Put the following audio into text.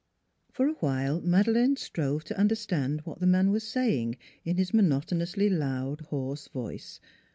For a while Madeleine strove to under stand what the man was saying in his monoto nously loud, hoarse voice.